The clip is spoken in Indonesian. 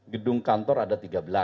gedung kantor ada tiga belas